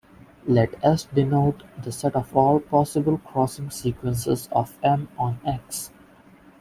Let "S" denote the set of all possible crossing sequences of "M" on "x".